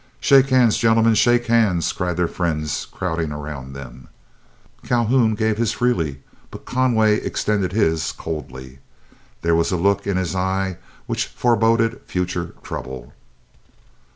"Shake hands, gentlemen, shake hands," cried their friends, crowding around them. Calhoun gave his freely, but Conway extended his coldly. There was a look in his eye which foreboded future trouble.